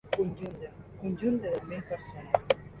Conjunt de deu mil persones.